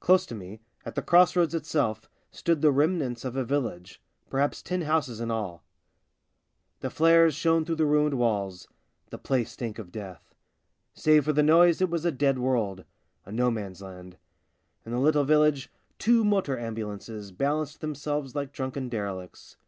Close to me, at the cross roads itself, stood the remnants of a village — perhaps ten houses in all. The flares shone through the ruined 68 THE BLACK SHEEP walls — the place stank of death. Save for the noise it was a Dead World — a no man's land. In the little village two motor ambulances balanced themselves like drunken derelicts.